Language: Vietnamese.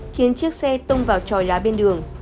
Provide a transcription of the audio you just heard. khiến chiếc xe tông vào tròi lá bên đường